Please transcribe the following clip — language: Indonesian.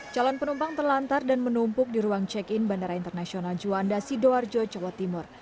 calon penumpang terlantar dan menumpuk di ruang check in bandara internasional juanda sidoarjo jawa timur